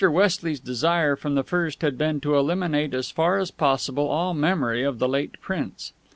Westley's desire from the first had been to eliminate as far as possible all memory of the late Prince.